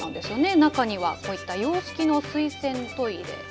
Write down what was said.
中にはこういった洋式の水洗トイレ。